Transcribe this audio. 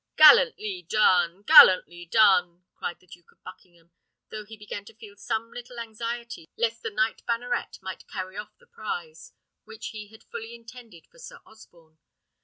"Gallantly done! gallantly done!" cried the Duke of Buckingham, though he began to feel some little anxiety lest the knight banneret might carry off the prize, which he had fully intended for Sir Osborne.